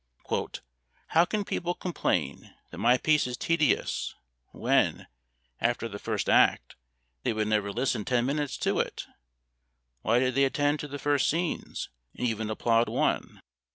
"How can people complain that my piece is tedious, when, after the first act, they would never listen ten minutes to it? Why did they attend to the first scenes, and even applaud one?